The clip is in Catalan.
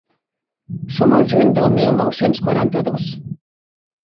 Som al juny del mil nou-cents quaranta-dos.